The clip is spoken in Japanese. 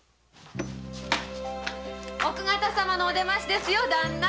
奥方様のお出ましですよだんな。